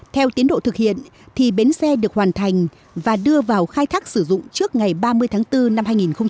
theo tiến độ thực hiện thì bến xe được hoàn thành và đưa vào khai thác sử dụng trước ngày ba mươi tháng bốn năm hai nghìn hai mươi